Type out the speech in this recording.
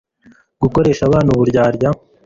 gukoresha abana uburaya